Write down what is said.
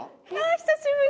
久しぶり。